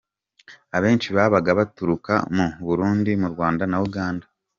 Abenshi babaga baturuka mu Burundi, mu Rwanda na Uganda.”